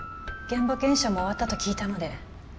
現場検証も終わったと聞いたので。